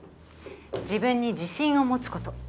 自分に自信を持つこと。